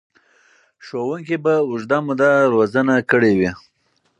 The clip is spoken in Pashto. ښوونکي به اوږده موده روزنه کړې وي.